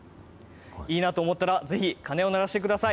いいなと思ったら、ぜひ、鐘を鳴らしてください。